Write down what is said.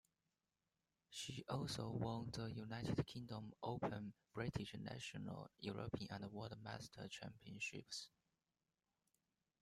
She also won the United Kingdom Open, British National, European and World Masters championships.